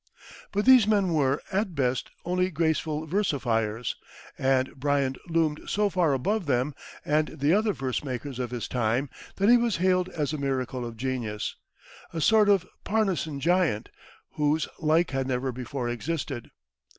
But these men were, at best, only graceful versifiers, and Bryant loomed so far above them and the other verse makers of his time that he was hailed as a miracle of genius, a sort of Parnassan giant whose like had never before existed.